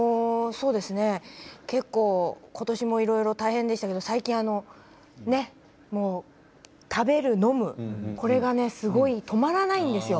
結構ことしもいろいろ大変でしたけど最近食べる、飲むこれが止まらないんですよ。